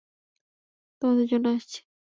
তোমাদের জন্য আসছি!